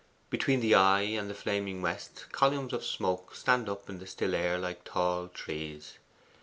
Between the eye and the flaming West, columns of smoke stand up in the still air like tall trees.